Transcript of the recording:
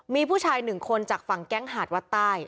มีผู้ชายหนึ่งคนจากฝั่งแก๊งหาดวัดใต้